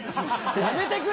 やめてくれ！